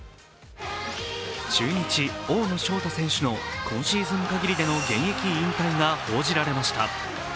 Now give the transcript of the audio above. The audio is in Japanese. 中日・大野奨太選手の今シーズン限りでの引退が報じられました。